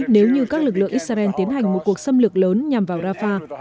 nếu như các lực lượng israel tiến hành một cuộc xâm lược lớn nhằm vào rafah